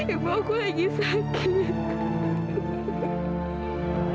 ibu aku lagi sakit